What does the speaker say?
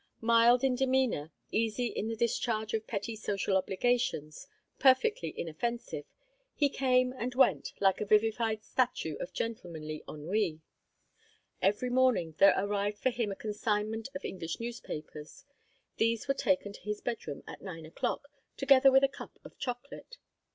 Mild in demeanour, easy in the discharge of petty social obligations, perfectly inoffensive, he came and went like a vivified statue of gentlemanly ennui. Every morning there arrived for him a consignment of English newspapers; these were taken to his bedroom at nine o'clock, together with a cup of chocolate.